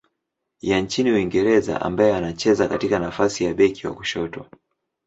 ya nchini Uingereza ambaye anacheza katika nafasi ya beki wa kushoto.